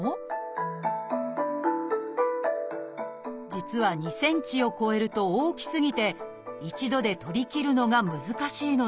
実は２ｃｍを超えると大きすぎて一度で取り切るのが難しいのです